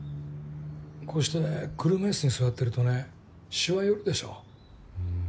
こうして車椅子に座ってるとねシワ寄るでしょうん